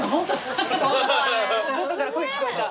どっかから声聞こえた。